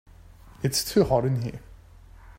It's too hot in here.